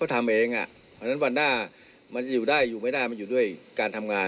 การที่เขาออกไปอะไรออกไปเขาด้วยอะไรล่ะ